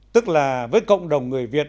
tức là với cộng đồng người việt